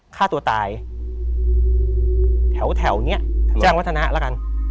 ฆ่าตัวตายแถวเนี่ยจ้างวัฒนาระกัน